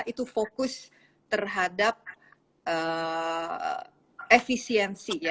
itu fokus terhadap efisiensi ya